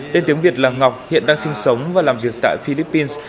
tên tiếng việt là ngọc hiện đang sinh sống và làm việc tại philippines